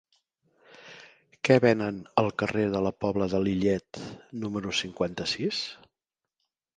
Què venen al carrer de la Pobla de Lillet número cinquanta-sis?